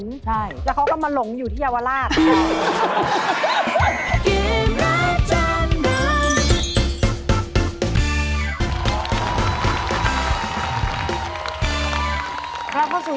ไถ่ของเฮ้ยใช่